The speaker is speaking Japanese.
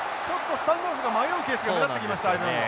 スタンドオフが迷うケースが目立ってきましたアイルランド。